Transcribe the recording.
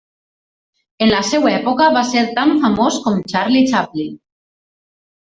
En la seva època va ser tan famós com Charlie Chaplin.